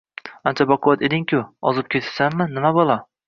Ancha baquvvat eding-ku, ozib ketibsanmi, nima balo